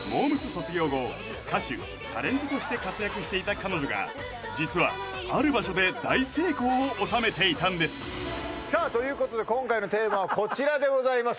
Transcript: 卒業後歌手タレントとして活躍していた彼女が実はある場所で大成功を収めていたんですさあということで今回のテーマはこちらでございます